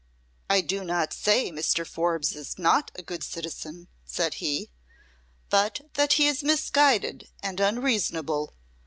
"I do not say Mr. Forbes is not a good citizen," said he, "but that he is misguided and unreasonable.